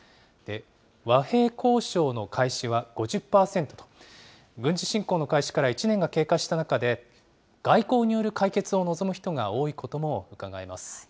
和平交渉の開始は５０％と、軍事侵攻の開始から１年が経過した中で、外交による解決を望む人が多いこともうかがえます。